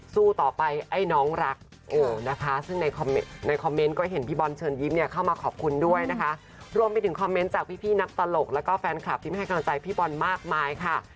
และก็แฟนคลับที่มันให้กำลังใจพี่บอลมากมายค่ะ